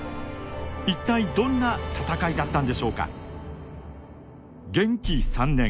一体どんな戦いだったんでしょうか。